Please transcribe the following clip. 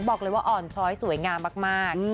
บอกเลยว่าอ่อนช้อยสวยงามมาก